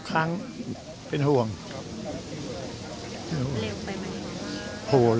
ก็ข้าวกาหนมปังอะไรแบบนี้